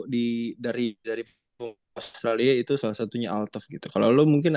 di timnas kali ini